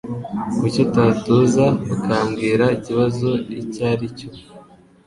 Kuki utatuza ukambwira ikibazo icyo ari cyo